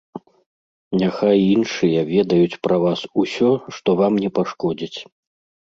Няхай іншыя ведаюць пра вас усё, што вам не пашкодзіць.